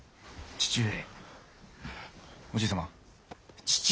父上！